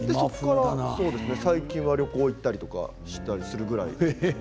最近は旅行に行ったりするぐらい。